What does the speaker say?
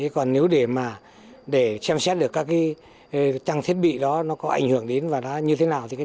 còn nếu để xem xét được các trang thiết bị có ảnh hưởng đến và như thế nào thì đấy là một bộ phần khác